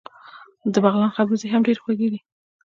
د بغلان خربوزې هم ډیرې خوږې دي.